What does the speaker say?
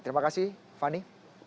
terima kasih fani